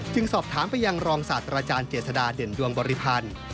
สอบถามไปยังรองศาสตราจารย์เจษฎาเด่นดวงบริพันธ์